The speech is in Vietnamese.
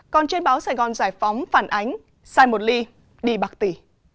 còn trên báo sài gòn giải phóng phản ánh sai một ly đi bạc tỷ